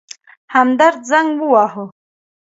همدرد زنګ وواهه.